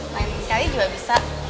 lain kali juga bisa